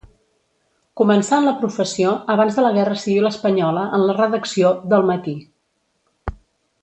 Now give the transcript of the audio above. Començà en la professió abans de la guerra civil espanyola en la redacció d'El Matí.